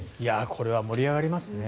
これは盛り上がりますね。